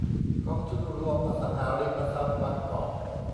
กองทุนรวมอสังหาริมทรัพย์บางกอก